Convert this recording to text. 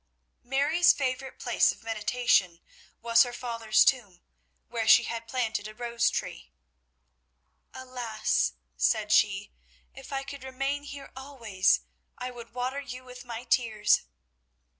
Mary's favourite place of meditation was her father's tomb, where she had planted a rose tree. "Alas," said she, "if I could remain here always, I would water you with my tears!"